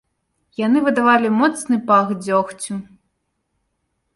Яны выдавалі моцны пах дзёгцю.